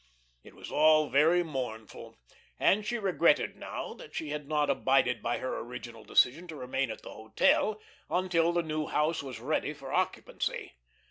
It was all very mournful, and she regretted now that she had not abided by her original decision to remain at the hotel until the new house was ready for occupancy.